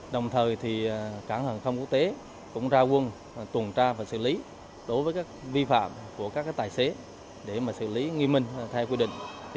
đồng thời cảng hàng không quốc tế cũng ra quân tuần tra và xử lý đối với các vi phạm của các tài xế để xử lý nghiêm minh theo quy định